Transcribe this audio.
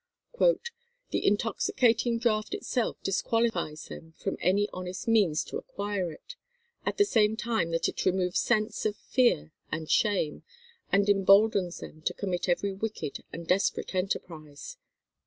"The intoxicating draught itself disqualifies them from any honest means to acquire it, at the same time that it removes sense of fear and shame, and emboldens them to commit every wicked and desperate enterprise."